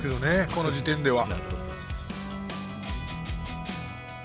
この時点では。